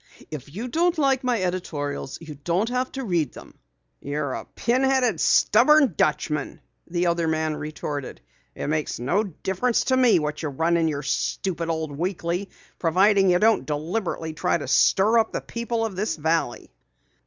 If you don't like my editorials you don't have to read them." "You're a pin headed, stubborn Dutchman!" the other man retorted. "It makes no difference to me what you run in your stupid old weekly, providing you don't deliberately try to stir up the people of this valley."